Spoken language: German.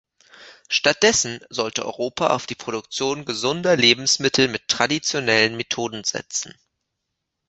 Stattdessen sollte Europa auf die Produktion gesunder Lebensmittel mit traditionellen Methoden setzen.